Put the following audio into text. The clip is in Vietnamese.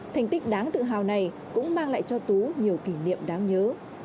thành tích đáng tự hào này cũng mang lại cho tú nhiều kỷ niệm đáng nhớ